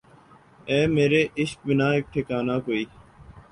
اے مرے عشق بنا ایک ٹھکانہ کوئی